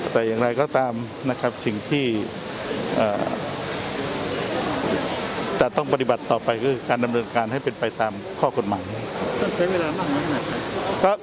แต่อย่างไรก็ตามสิ่งที่จะต้องปฏิบัติต่อไปคือการดำเนินการให้เป็นไปตามข้อกฎหมาย